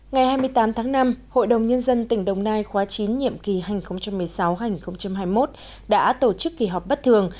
ngày hai mươi tám tháng năm hội đồng nhân dân tỉnh đồng nai khóa chín nhiệm kỳ hai nghìn một mươi sáu hai nghìn hai mươi một đã tổ chức kỳ họp bất thường